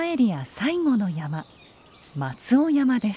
最後の山松尾山です。